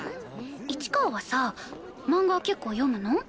市川はさマンガ結構読むの？